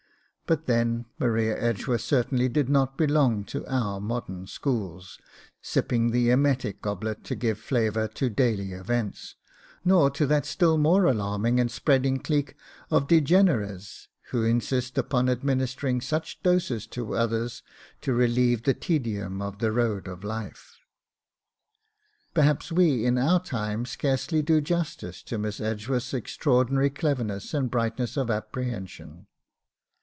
But then Maria Edgeworth certainly did not belong to our modern schools, sipping the emetic goblet to give flavour to daily events, nor to that still more alarming and spreading clique of DEGENERES who insist upon administering such doses to others to relieve the tedium of the road of life. Perhaps we in our time scarcely do justice to Miss Edgeworth's extraordinary cleverness and brightness of apprehension.